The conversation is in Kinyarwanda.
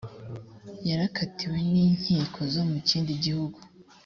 yarakatiwe n’inkiko zo mu kindi gihugu